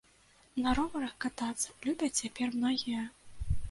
На роварах катацца любяць цяпер многія!